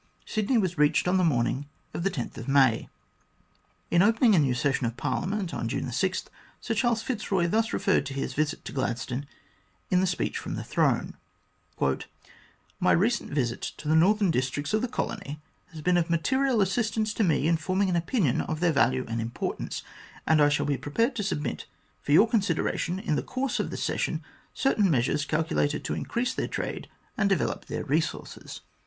Sydney was reached on the morning of May 10. In opening a new session of Parliament on June 6, Sir Charles Fitzroy thus referred to his visit to Gladstone in the Speech from the Throne : "My recent visit to the northern districts of the colony has been of material assistance to me in forming an opinion of their value and importance, and I shall be prepared to submit for your consideration in the course of the session certain measures calculated to increase their trade and develop their resources.